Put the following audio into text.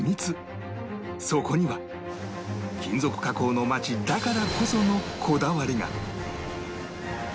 そこには金属加工の町だからこそのこだわりが